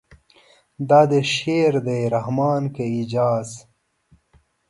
دا دې شعر دی رحمانه که اعجاز.